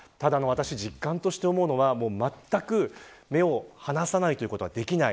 ただ、私、実感として思うのはまったく目を離さないということはできない。